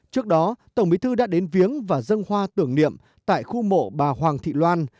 trước đó tổng bí thư đã đến viếng và dân hoa tưởng niệm tại khu mộ bà hoàng thị loan